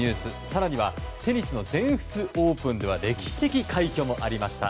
更にはテニスの全仏オープンでは歴史的快挙もありました。